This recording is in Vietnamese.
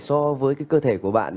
so với cái cơ thể của bạn